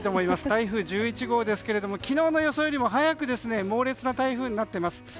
台風１１号ですが昨日の予想より早く猛烈な台風になっています。